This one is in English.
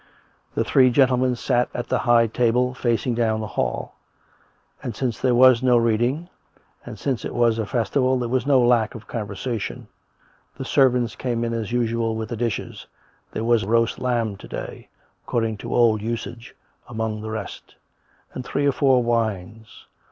The three gentlemen sat at the high table, facing down the hall; and, since there was no reading, and since it was a festival, there was no lack of conversation. The servants came in as COME RACK! COME ROPE! Ql usual with the dishes — there was roast lamb to day, ac cording to old usage, among the rest; and three or four wines.